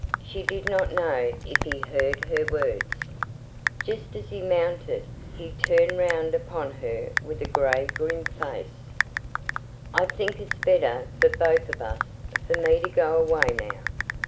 She did not know if he heard her words. Just as he mounted, he turned round upon her with a grey grim face "I think it's better for both of us, for me to go away now.